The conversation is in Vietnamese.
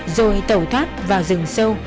rồi tẩu thoát vào rừng sâu